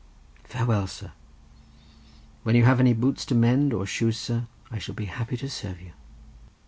"Farewell, sir. When you have any boots to mend, or shoes, sir—I shall be happy to serve you."